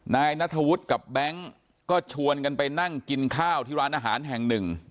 นายนัทธวุฒิกับแบงค์ก็ชวนกันไปนั่งกินข้าวที่ร้านอาหารแห่งหนึ่ง